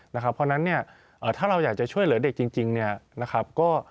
เพราะฉะนั้นเนี่ยถ้าเราอยากจะช่วยเหลือเด็กจริงเนี่ยนะครับ